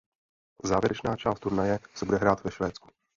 Závěrečná část turnaje se bude hrát ve Švédsku.